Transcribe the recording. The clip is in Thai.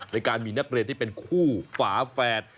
ในการมีนักเรียนที่เป็นคู่ฝาแฝด